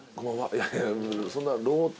いやいやそんな。